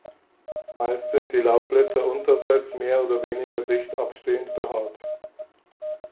Meist sind die Laubblätter unterseits mehr oder weniger dicht abstehend behaart.